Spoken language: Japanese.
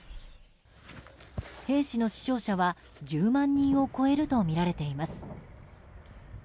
兵士の死傷者は１０万人を超えるとみられています。